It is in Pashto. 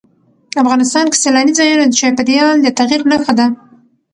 افغانستان کې سیلاني ځایونه د چاپېریال د تغیر نښه ده.